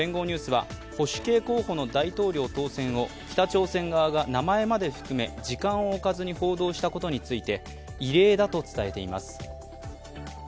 ニュースは、保守系候補の大統領当選を北朝鮮側が名前まで含め時間をおかずに報道したことについて異例だと伝えています。